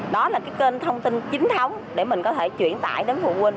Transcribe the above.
đó là cái kênh thông tin chính thống để mình có thể chuyển tải đến phụ huynh